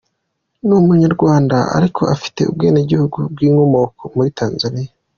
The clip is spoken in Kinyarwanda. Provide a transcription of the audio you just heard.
Ni Umunyarwanda ariko ufite ubwenegihugu bw’inkomoko muri Tanzania.